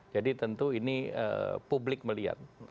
tentu ini publik melihat